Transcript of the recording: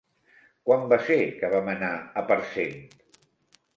Quan va ser que vam anar a Parcent?